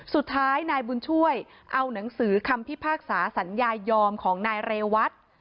สุดท้ายนายบุญช่วยเอาหนังสือคำพิพากษาสัญญายอมของนายเรวัต